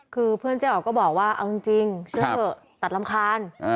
คือเพื่อนเจ๊อ๋อก็บอกว่าเอาจริงช่วยเถอะตัดรำคาญ